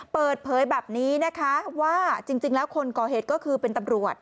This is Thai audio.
เปิดเผยแบบนี้นะคะว่าจริงแล้วคนก่อเหตุก็คือเป็นตำรวจ